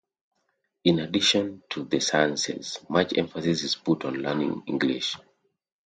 In addition to the sciences, much emphasis is put on learning English.